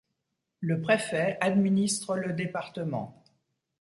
Le préfet administre le département.